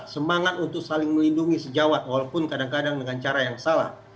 semangat untuk saling melindungi sejawat walaupun kadang kadang dengan cara yang salah